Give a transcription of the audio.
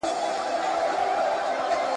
د دلارام په ښار کي د نویو ودانیو جوړول روان دي